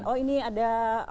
oh ini ada